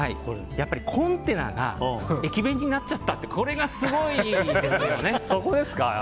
コンテナが駅弁になっちゃったってこれがすごいですよね。